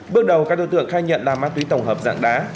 bước đầu các đối tượng khai nhận là ma túy tổng hợp dạng đá